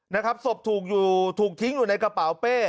นะครับศพถูกอยู่ถูกทิ้งอยู่ในกระเป๋าเป้